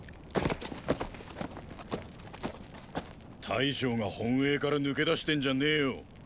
大将が本営から抜け出してんじゃねぇよ。